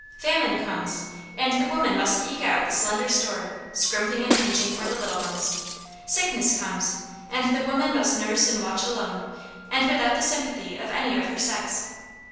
Famine comes, and the woman must eke out the slender store, scrimping and pinching for the little ones; sickness comes, and the woman must nurse and watch alone, and without the sympathy of any of her sex.